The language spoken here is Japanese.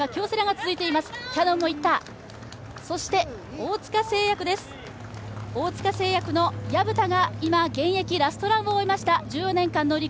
大塚製薬の藪田が今、ラストランを終えました。